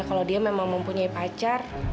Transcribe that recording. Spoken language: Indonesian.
kalau dia memang mempunyai pacar